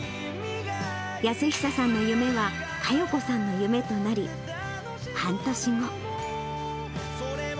泰久さんの夢は加代子さんの夢となり、半年後。